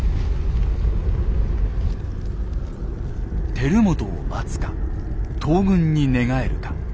輝元を待つか東軍に寝返るか。